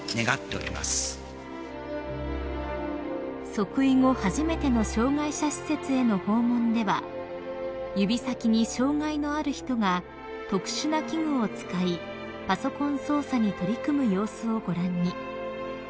［即位後初めての障害者施設への訪問では指先に障害のある人が特殊な器具を使いパソコン操作に取り組む様子をご覧に］